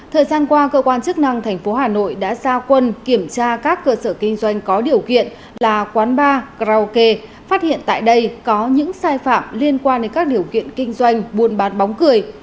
thời gian qua cơ quan chức năng tp hà nội đã ra quân kiểm tra các cơ sở kinh doanh có điều kiện là quán ba grau kê phát hiện tại đây có những sai phạm liên quan đến các điều kiện kinh doanh buôn bán bóng cười